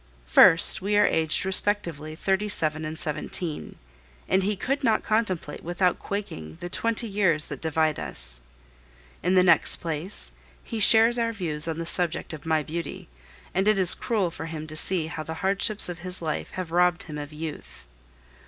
First, we are aged respectively thirty seven and seventeen; and he could not contemplate without quaking the twenty years that divide us. In the next place, he shares our views on the subject of my beauty, and it is cruel for him to see how the hardships of his life have robbed him of youth.